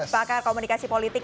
pakar komunikasi politik